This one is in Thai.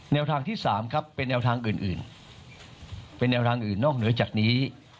แนวทางที่๓ครับเป็นแนวทางอื่นเป็นแนวทางอื่นนอกเหนือจากนี้